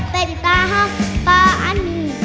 แต่ที่ตาห้ามป่านี่